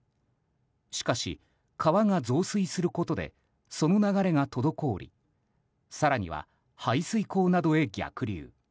しかし、川が増水することでその流れが滞り更には、排水溝などへ逆流。